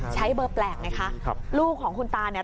ใช้เบอร์แปลกไงคะครับลูกของคุณตาเนี่ย